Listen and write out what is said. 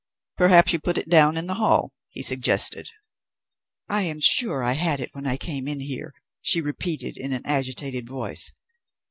"Perhaps you put it down in the hall?" he suggested. "I am sure I had it when I came in here," she repeated in an agitated voice.